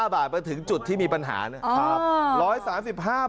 บาทมาถึงจุดที่มีปัญหานะครับ